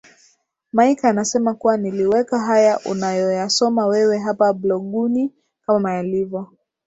Mike anasema kuwa Niliweka haya unayoyasoma wewe hapa bloguni kama yalivyo